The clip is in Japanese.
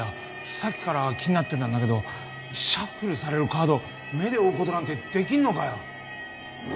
さっきから気になってたんだけどシャッフルされるカードを目で追うことなんてできんのかよ？